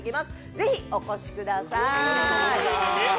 ぜひお越しください。